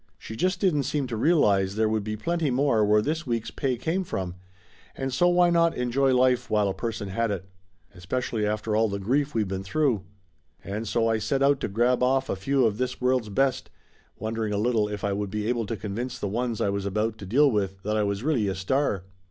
She just didn't seem to realize there would be plenty more where this week's pay came from, and so why not enjoy life while a per son had it? Especially after all the grief we'd been through. And so I set out to grab off a few of this world's best, wondering a little if I would be able to convince the ones I was about to deal with that I was really a star.